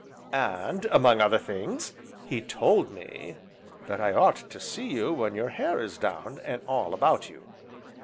"And, among other things, he told me that I ought to see you when your hair is down, and all about you."